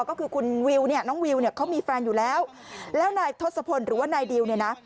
ก็คือคุณวิวเนี่ยน้องวิวเนี่ยเขามีแฟนอยู่แล้วแล้วนายทศพลหรือว่านายดิวเนี่ยนะ